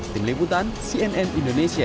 tim liputan cnn indonesia